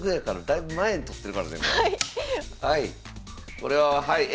これははいＡ